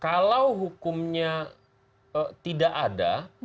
kalau hukumnya tidak ada